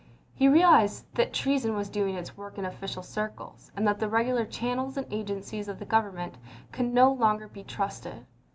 He realized that treason was doing its work in official circles, and that the regular channels and agencies of the Government could no longer be trusted.